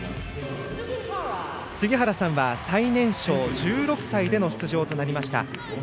杉原さんは最年少１６歳での出場となりました。